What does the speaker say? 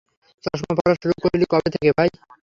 চশমা পরা শুরু করলি কবে থেকে ভাই?